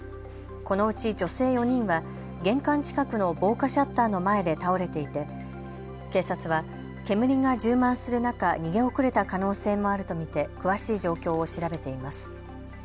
このうち女性４人は、玄関近くの防火シャッターの前で倒れていて警察は煙が充満する中、逃げ遅れた可能性もあると見て詳しい状況を調べています。